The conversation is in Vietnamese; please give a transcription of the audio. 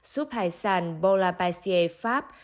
suốt hải sản bò la bà siê pháp